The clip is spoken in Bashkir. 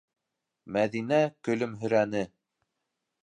Мәҙинә көлөмһөрәне: